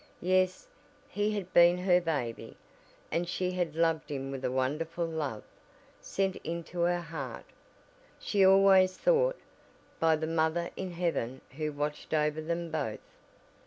Yes, he bad been her baby, and she had loved him with a wonderful love sent into her heart, she always thought, by the mother in heaven who watched over them both.